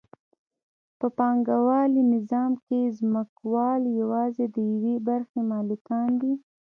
په پانګوالي نظام کې ځمکوال یوازې د یوې برخې مالکان دي